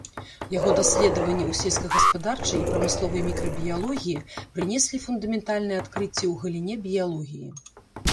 Яго даследаванні ў сельскагаспадарчай і прамысловай мікрабіялогіі прынеслі фундаментальныя адкрыцці ў галіне біялогіі.